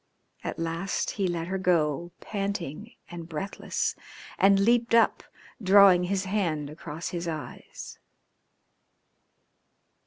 At last he let her go, panting and breathless, and leaped up, drawing his hand across his eyes.